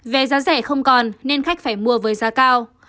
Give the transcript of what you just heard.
vé giá rẻ không còn nên khách phải mua với giá cao